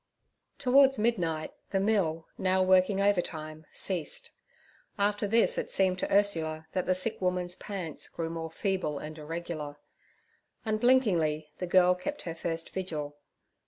Towards midnight the mill, now working overtime, ceased. After this it seemed to Ursula that the sick woman's pants grew more feeble and irregular. Unblinkingly the girl kept her first vigil.